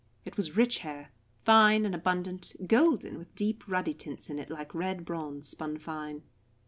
It was rich hair, fine and abundant, golden, with deep ruddy tints in it like red bronze spun fine.